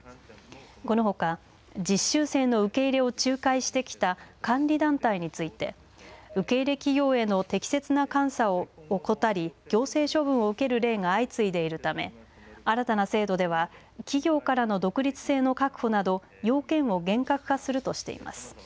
このほか実習生の受け入れを仲介してきた監理団体について受け入れ企業への適切な監査を怠り、行政処分を受ける例が相次いでいるため新たな制度では企業からの独立性の確保など、要件を厳格化するとしています。